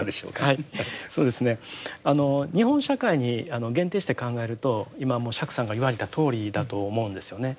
はいそうですね日本社会に限定して考えると今もう釈さんが言われたとおりだと思うんですよね。